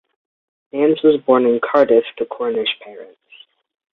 Nance was born in Cardiff to Cornish parents.